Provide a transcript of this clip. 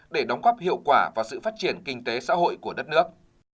để đóng góp hiệu quả vào sự phát triển kinh tế xã hội của đất nước